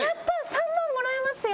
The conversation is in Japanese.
３万もらえますよ！